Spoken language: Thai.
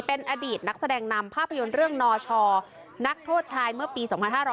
เป็นอดีตนักแสดงนำภาพยนตร์เรื่องนชนักโทษชายเมื่อปี๒๕๕๙